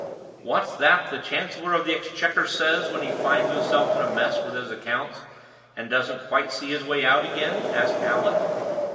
"What's that the Chancellor of the Exchequer says when he finds himself in a mess with his accounts, and doesn't see his way out again?" asked Allan.